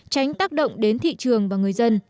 tránh tác động đến thị trường và người dân